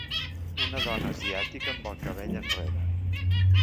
Una dona asiàtica amb el cabell enrere.